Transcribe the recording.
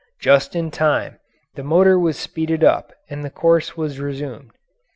Just in time the motor was speeded up and the course was resumed.